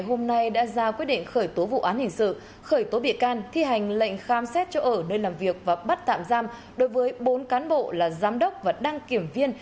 hôm nay đã ra quyết định khởi tố vụ án hình sự khởi tố bị can thi hành lệnh khám xét chỗ ở nơi làm việc và bắt tạm giam đối với bốn cán bộ là giám đốc và đăng kiểm viên